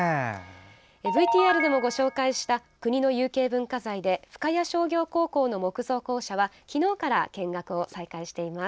ＶＴＲでもご紹介した国の有形文化財で深谷商業高校の木造校舎は昨日から見学を再開しています。